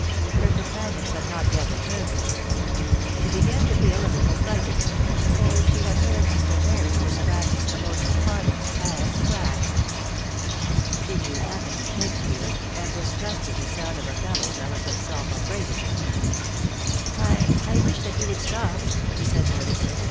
Her companions had not yet returned. She began to feel a little frightened, for she had heard Mr. Ferris described in colonial parlance as * cracked.' She knew nothing of Shakespeare, and distrusted the sound of Othello's eloquent self upbraidings. * I — I wish that you would stop,' she said nervously.